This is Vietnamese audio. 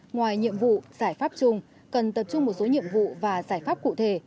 ngoài nhiệm vụ giải pháp chung cần tập trung một số nhiệm vụ và giải pháp cụ thể